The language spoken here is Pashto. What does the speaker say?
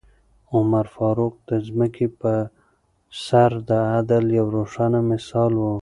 عمر فاروق د ځمکې په سر د عدل یو روښانه مثال و.